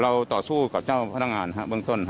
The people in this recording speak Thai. ต่อสู้กับเจ้าพนักงานเบื้องต้น